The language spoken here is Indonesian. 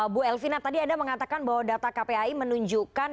bu elvina tadi anda mengatakan bahwa data kpai menunjukkan